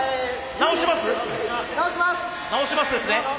「直します」ですね。